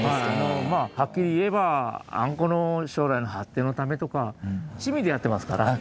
はっきり言えば、あんこの将来の発展のためとか、趣味でやってますから。